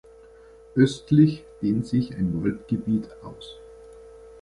Östlich dehnt sich ein Waldgebiet aus.